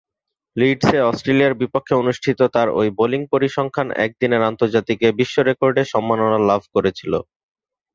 লিডসে অস্ট্রেলিয়ার বিপক্ষে অনুষ্ঠিত তার ঐ বোলিং পরিসংখ্যান একদিনের আন্তর্জাতিকে বিশ্বরেকর্ডের সম্মাননা লাভ করেছিল।